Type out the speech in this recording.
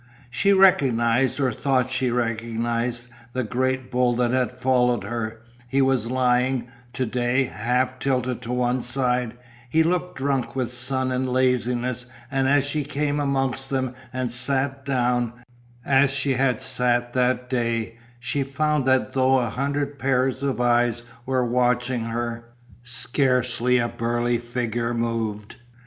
She recognized, or thought she recognized, the great bull that had followed her, he was lying, to day, half tilted to one side, he looked drunk with sun and laziness and as she came amongst them and sat down, as she had sat that day, she found that though a hundred pairs of eyes were watching her, scarcely a burly figure moved.